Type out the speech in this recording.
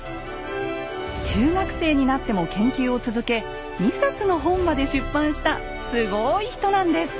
中学生になっても研究を続け２冊の本まで出版したすごい人なんです。